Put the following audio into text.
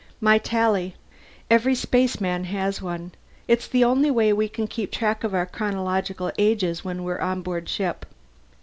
"My Tally. Every spaceman has one. It's the only way we can keep track of our chronological ages when we're on board ship."